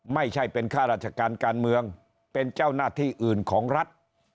ไม่ใช่เป็นข้าราชการการเมืองเป็นเจ้าหน้าที่อื่นของรัฐ